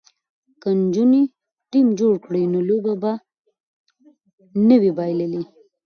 که نجونې ټیم جوړ کړي نو لوبه به نه وي بایللې.